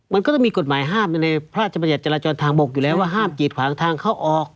มันก็ต้องมีกฎหมายห้ามในพระราชบัญญัติจราจรทางบกอยู่แล้วว่าห้ามกีดขวางทางเข้าออก